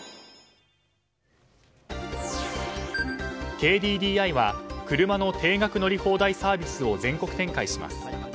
ＫＤＤＩは車の定額乗り放題サービスを全国展開します。